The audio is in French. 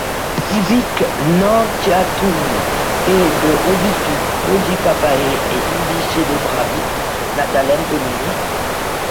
Ibique nuntiatum est de obitu Pauli papae, et ibi celebravit natalem Domini.